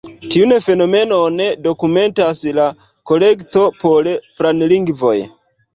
Tiun fenomenon dokumentas la Kolekto por Planlingvoj.